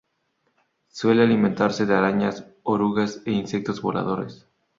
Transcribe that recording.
Suele alimentarse de arañas, orugas e insectos voladores.